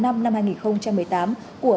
năm hai nghìn một mươi tám của